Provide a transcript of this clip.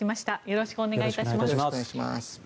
よろしくお願いします。